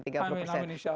amin amin insya allah